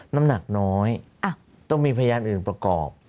น้ำหนักน้อยต้องมีพยานอื่นประกอบ